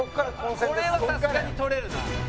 これはさすがに取れるな。